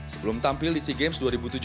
sebelum tampil di sea games dua ribu tujuh belas